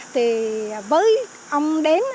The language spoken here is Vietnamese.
thì với ông đến